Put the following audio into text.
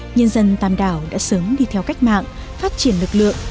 nhân dân tàm đảo đã sớm đi theo cách mạng phát triển lực lượng